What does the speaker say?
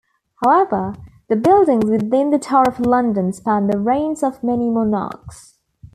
However, the buildings within the Tower of London span the reigns of many monarchs.